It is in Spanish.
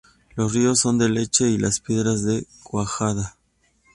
Los ríos son de leche y las piedras de cuajada.